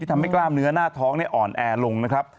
ทำให้กล้ามเนื้อหน้าท้องอ่อนแอลงนะครับ